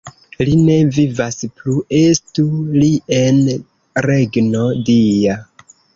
Li ne vivas plu, estu li en regno Dia!